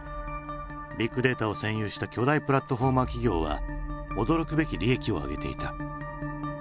ビッグデータを占有した巨大プラットフォーマー企業は驚くべき利益を上げていた。